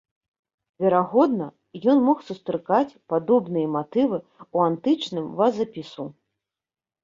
Верагодна, ён мог сустракаць падобныя матывы ў антычным вазапісу.